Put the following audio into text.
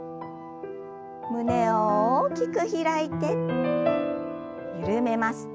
胸を大きく開いて緩めます。